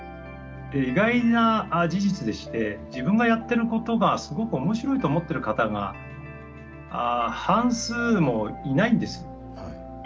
意外な事実でして自分がやってることがすごく面白いと思ってる方が半数もいないんです。